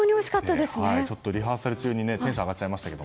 リハーサル中にテンションが上がっちゃいました。